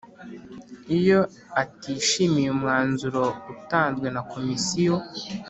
iyo atishimiye umwanzuro utanzwe na komisiyo,